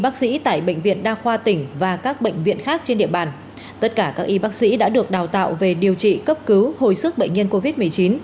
tất cả các y bác sĩ đã được đào tạo về điều trị cấp cứu hồi sức bệnh nhân covid một mươi chín